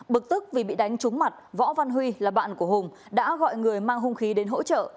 bực tức vì bị đánh trúng mặt võ văn huy là bạn của hùng đã gọi người mang hung khí đến hỗ trợ